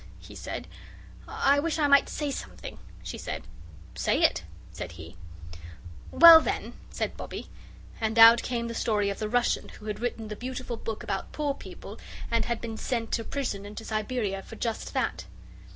he said. "I wish I might say something," she said. "Say it," said he. "Well, then," said Bobbie and out came the story of the Russian who had written the beautiful book about poor people, and had been sent to prison and to Siberia for just that.